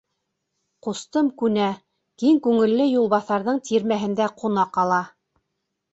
Ҡустым күнә, киң күңелле юлбаҫарҙың тирмәһендә ҡуна ҡала.